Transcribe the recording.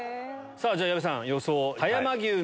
じゃ矢部さん予想。